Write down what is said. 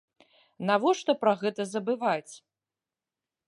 Навошта пра гэта забываць?